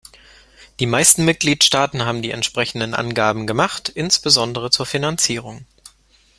Die meisten Mitgliedstaaten haben die entsprechenden Angaben gemacht, insbesondere zur Finanzierung.